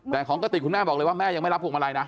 แต่ของกระติกคุณแม่บอกเลยว่าแม่ยังไม่รับพวงมาลัยนะ